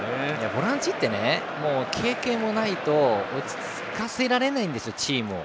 ボランチって経験がないと落ち着かせられないんですよチームを。